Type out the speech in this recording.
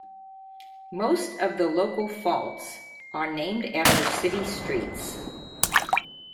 Most of the local faults are named after city streets.